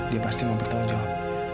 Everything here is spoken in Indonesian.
dia pasti mau bertanggung jawab